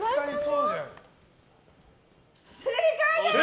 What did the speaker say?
正解です！